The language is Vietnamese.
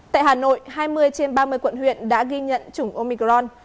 tại hà nội hai mươi trên ba mươi quận huyện đã ghi nhận chủng omicron